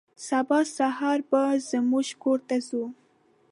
سبا سهار به زموږ کور ته ځو.